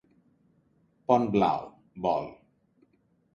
Pont Blau, vol.